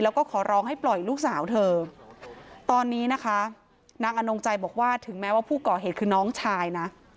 แล้วก็ขอร้องให้ปล่อยลูกสาวเธอตอนนี้นะคะนางอนงใจบอกว่าถึงแม้ว่าผู้ก่อเหตุคือน้องชายนะ